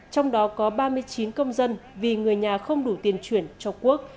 trong đó có ba mươi chín công dân vì người nhà không đủ tiền chuyển cho quốc